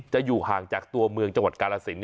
อยู่ห่างจากตัวเมืองจังหวัดกาลสิน